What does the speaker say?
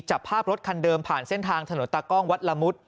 จับภาพรถคันเดิมผ่านเส้นทางถนนตากล้องวัดละมุด